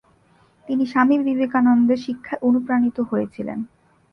তিনি স্বামী বিবেকানন্দের শিক্ষায় অনুপ্রাণিত হয়েছিলেন।